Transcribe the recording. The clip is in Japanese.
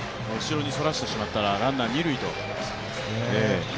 後ろにそらしてしまったら、ランナー二塁と。